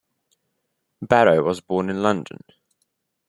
Barrow was born in London.